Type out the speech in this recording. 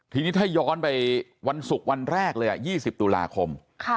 ทีนี้ถ้าย้อนไปวันศุกร์วันแรกเลย๒๐ตุลาคม